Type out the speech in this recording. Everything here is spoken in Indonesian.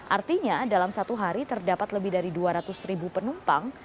artinya dalam satu hari terdapat lebih dari dua ratus ribu penumpang